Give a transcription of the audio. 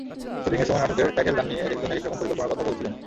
শুটিংয়ের সময় নাটকের টাইটেল গান নিয়ে একেকজন একেক রকম পরিকল্পনার কথা বলছিলেন।